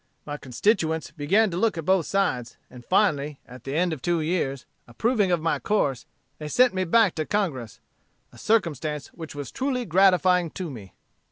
"My constituents began to look at both sides; and finally, at the end of two years, approving of my course, they sent me back to Congress a circumstance which was truly gratifying to me.